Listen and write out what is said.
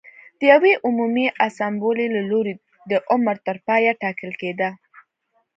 د یوې عمومي اسامبلې له لوري د عمر تر پایه ټاکل کېده